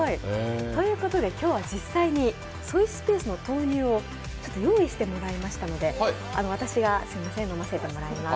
今日は実際にソイスペースの豆乳を用意してもらいましたので私がすみません、飲ませてもらいます。